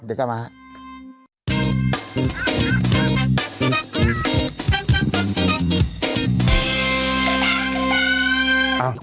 เดี๋ยวกลับมาครับ